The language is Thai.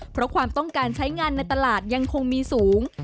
เพราะความต้องการใช้งานในตลาดยังคงมีสูง